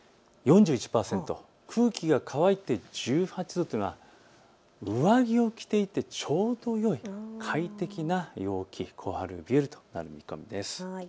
４１％、空気が乾いて１８度というのは上着を着ていてちょうどよい快適な陽気、小春日和となる見込みです。